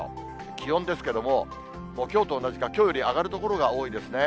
気温ですけれども、きょうと同じか、きょうより上がる所が多いですね。